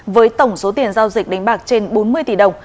với tổng số tiền giao dịch đánh bạc trên bốn mươi tỷ đồng